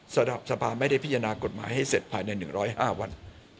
สภาไม่ได้พิจารณากฎหมายให้เสร็จภายใน๑๐๕วัน